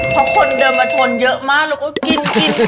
เพราะคนเดินมาชนเยอะมากแล้วก็กินกิน